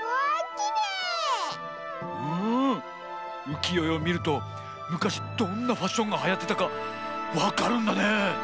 うきよえをみるとむかしどんなファッションがはやってたかわかるんだね！